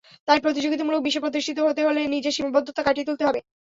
তাই প্রতিযোগিতামূলক বিশ্বে প্রতিষ্ঠিত হতে হলে নিজের সীমাবদ্ধতা কাটিয়ে তুলতে হবে।